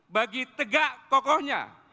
bagi tegak kokohnya